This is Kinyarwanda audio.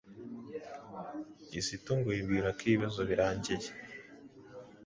Kizito ngo yibwira ko ibibazo birangiye,